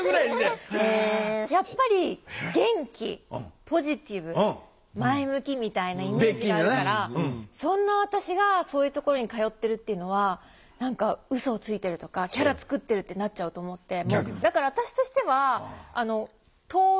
やっぱり元気ポジティブ前向きみたいなイメージがあるからそんな私がそういうところに通ってるっていうのは何かうそをついてるとかキャラ作ってるってなっちゃうと思って。